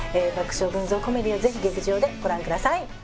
爆笑群像コメディーをぜひ劇場でご覧ください。